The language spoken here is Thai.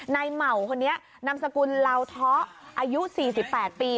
เหมาคนนี้นามสกุลเหล่าท้ออายุ๔๘ปี